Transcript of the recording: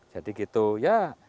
jadi gitu ya